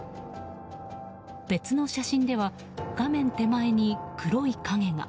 別の写真では画面手前に黒い影が。